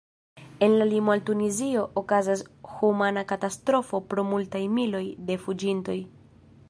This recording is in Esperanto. En la limo al Tunizio okazas humana katastrofo pro multaj miloj de fuĝintoj.